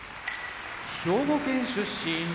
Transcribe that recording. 兵庫県出身